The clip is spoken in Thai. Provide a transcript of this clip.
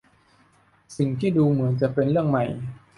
สิ่งที่ดูเหมือนจะเป็นเรื่องใหม่